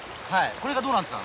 これがどうなるんですか？